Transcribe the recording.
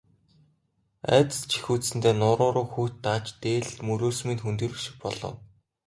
Айдас жихүүдсэндээ нуруу руу хүйт дааж, дээл мөрөөс минь хөндийрөх шиг болов.